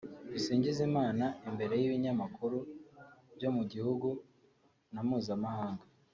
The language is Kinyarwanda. Dusingizimana imbere y’ibinyamakuru byo mu gihugu na mpuzamahanga